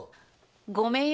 ごめんよ。